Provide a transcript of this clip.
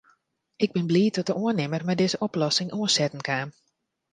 Ik bin bliid dat de oannimmer mei dizze oplossing oansetten kaam.